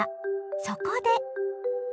そこで。